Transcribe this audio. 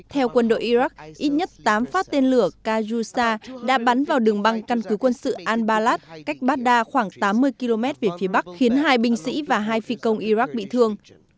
theo quân đội iraq ít nhất tám phát tên lửa kajusa đã bắn vào đường băng căn cứ quân sự al balad cách baghdad khoảng tám mươi km về phía bắc khiến hai binh sĩ và hai phi công iraq bị thương